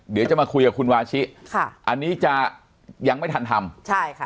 เดี๋ยวจะมาคุยกับคุณวาชิค่ะอันนี้จะยังไม่ทันทำใช่ค่ะ